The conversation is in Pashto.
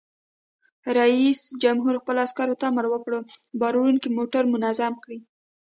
رئیس جمهور خپلو عسکرو ته امر وکړ؛ بار وړونکي موټر منظم کړئ!